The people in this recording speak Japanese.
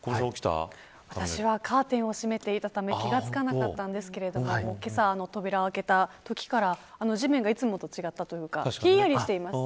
私はカーテンを閉めていたため気が付かなかったんですけれどもけさ、扉を開けたときから地面がいつもと違ったというかひんやりしていました。